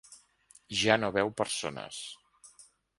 Ja no veu persones.